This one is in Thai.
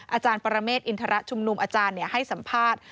อาจารย์ปรเมฆอินทรชุมนุมอาจารย์ให้สัมภาษณ์